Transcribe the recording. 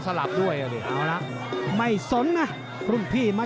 ติดตามยังน้อยกว่า